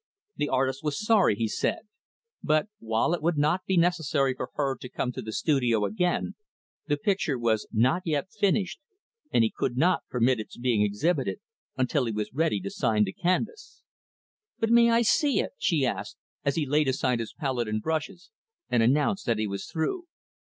The artist was sorry, he said, but, while it would not be necessary for her to come to the studio again, the picture was not yet finished, and he could not permit its being exhibited until he was ready to sign the canvas. "But I may see it?" she asked, as he laid aside his palette and brushes, and announced that he was through.